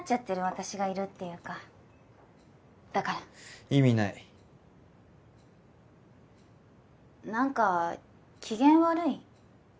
私がいるっていうかだから意味ない何か機嫌悪い？